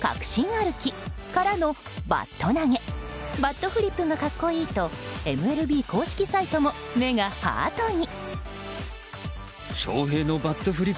歩きからのバット投げバットフリップが格好いいとＭＬＢ公式サイトも目がハートに。